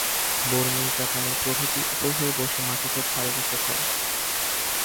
বর্মি, জাপানী প্রভৃতি উপু হয়ে বসে মাটিতে থাল রেখে খায়।